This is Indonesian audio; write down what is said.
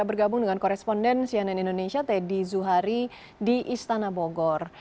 bergabung dengan koresponden cnn indonesia teddy zuhari di istana bogor